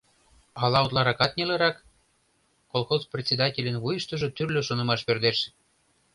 Ала утларакат нелырак?» — колхоз председательын вуйыштыжо тӱрлӧ шонымаш пӧрдеш.